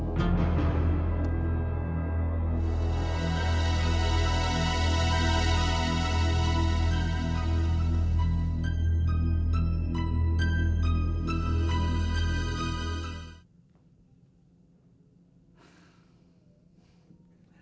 bukan mencari aku